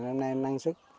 năm nay em đang sử dụng